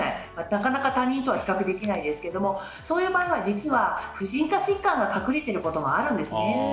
なかなか他人とは比較できないですけどもそういう場合は実は婦人科疾患が隠れていることもあるんですね。